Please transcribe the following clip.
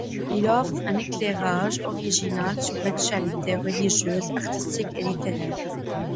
Il offre un éclairage original sur l’actualité religieuse, artistique et littéraire.